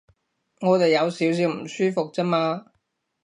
我哋有少少唔舒服啫嘛